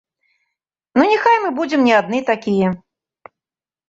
Ну, няхай мы будзем не адны такія.